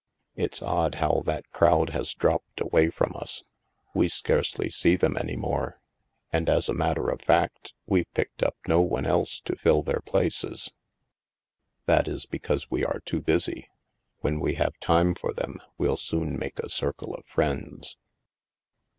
''" It's odd how that crowd has dropped away from us. We scarcely see them any more. And, as a matter of fact, we've picked up no one else to fill their places." " That is because we are too busy. When we have time for them, we'll soon make a circle of friends."